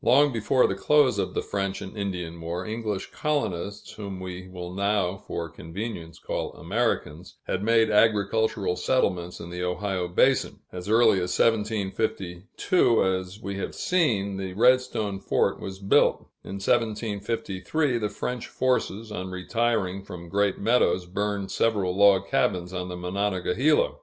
Long before the close of the French and Indian War, English colonists whom we will now, for convenience, call Americans had made agricultural settlements in the Ohio basin. As early as 1752, we have seen, the Redstone fort was built. In 1753, the French forces, on retiring from Great Meadows, burned several log cabins on the Monongahela.